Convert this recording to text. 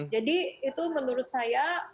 jadi itu menurut saya